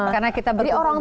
karena kita berdua bersama